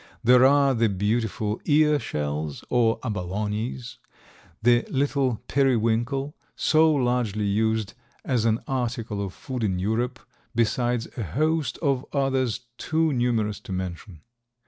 There are the beautiful ear shells, or Abalones, the little periwinkle, so largely used as an article of food in Europe, besides a host of others too numerous to mention.